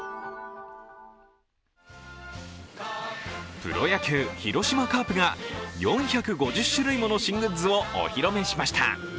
プロ野球・広島カープが４５０種類もの新グッズをお披露目しました。